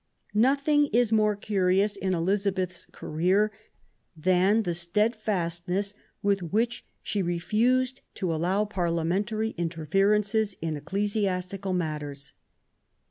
Nothing is more curious in Elizabeth's career than the steadfastness with which she refused to THE NEW ENGLAND, 259 allow of Parliamentary interference in ecclesiastical matters.